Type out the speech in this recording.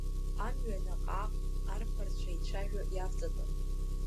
Амҩа наҟ-ааҟ арԥарцәа еицәажәо иавҵатәан.